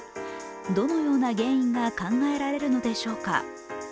どのような原因が考えられるのでしょうか。